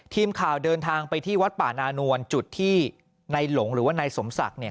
ทีมข่าวเดินทางไปที่วัดป่านานวลจุดที่นายหลงหรือว่านายสมศักดิ์เนี่ย